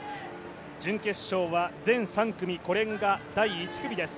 準決勝は全３組これが１組です。